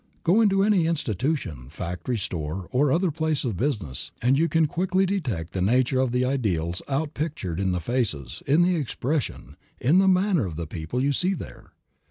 Go into any institution, factory, store, or other place of business and you can quickly detect the nature of the ideals outpictured in the faces, in the expression, in the manner of the people you see there.